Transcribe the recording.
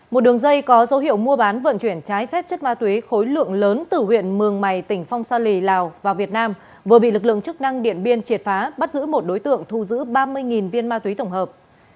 một đường dây có dấu hiệu mua bán vận chuyển trái phép chất ma túy khối lượng lớn từ huyện mường mày tỉnh phong sa lì lào và việt nam vừa bị lực lượng chức năng điện biên triệt phá bắt giữ một đối tượng thu giữ ba mươi viên ma túy tổng hợp